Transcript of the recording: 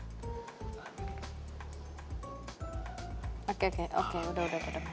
oke oke udah udah udah mas